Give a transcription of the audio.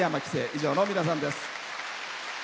以上の皆さんです。